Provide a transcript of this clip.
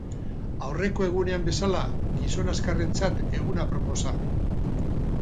Aurreko egunean bezala gizon azkarrentzat egun aproposa.